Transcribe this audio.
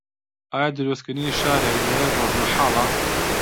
ئایا دروستکردنی شارێک لە یەک ڕۆژ مەحاڵە؟